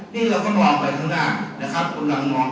นี่เรากำลังมองไปข้างหน้านะครับ